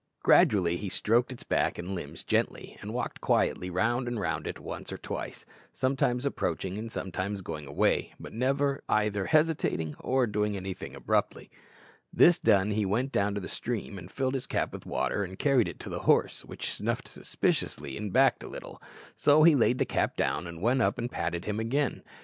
Gradually he stroked its back and limbs gently, and walked quietly round and round it once or twice, sometimes approaching and sometimes going away, but never either hesitating or doing anything abruptly. This done, he went down to the stream and filled his cap with water and carried it to the horse, which snuffed suspiciously and backed a little; so he laid the cap down, and went up and patted him again.